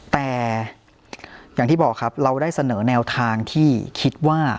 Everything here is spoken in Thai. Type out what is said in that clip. แต่อย่างที่บอกครับเราได้เสนอแนวทางที่คิดว่า